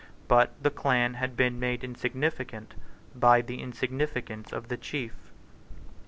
But the clan had been made insignificant by the insignificance of the chief.